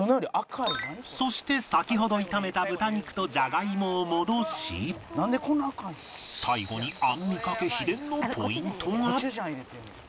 そして先ほど炒めた豚肉とジャガイモを戻し最後にアンミカ家秘伝のポイントが